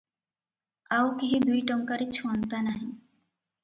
ଆଉ କେହି ଦୁଇ ଟଙ୍କାରେ ଛୁଅନ୍ତା ନାହିଁ ।